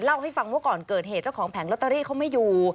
เล่าให้ฟังว่าก่อนเกิดเหตุเจ้าของแผงลอตเตอรี่เขาไม่อยู่